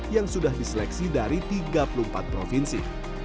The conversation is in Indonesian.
yang sudah diseleksi dari tiga puluh empat provinsi